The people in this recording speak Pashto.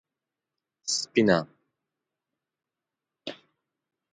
_سفينه؟